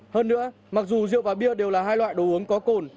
hơn nữa mặc dù rượu và bia đều là hai loại đồ uống có cồn